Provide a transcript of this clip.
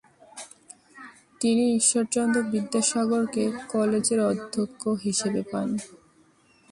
তিনি ঈশ্বরচন্দ্র বিদ্যাসাগরকে কলেজের অধ্যক্ষ হিসাবে পান।